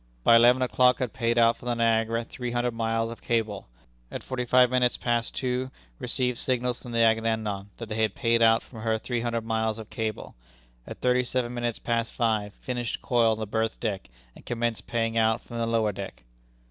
By eleven o'clock had paid out from the Niagara three hundred miles of cable; at forty five minutes past two received signals from the Agamemnon that they had paid out from her three hundred miles of cable; at thirty seven minutes past five finished coil on the berth deck, and commenced paying out from the lower deck."